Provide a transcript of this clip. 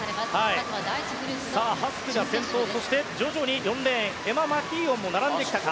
ハスクが先頭、そして徐々に４レーン、エマ・マキーオンも並んできたか。